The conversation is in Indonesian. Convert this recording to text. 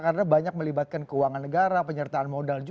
karena banyak melibatkan keuangan negara penyertaan modal juga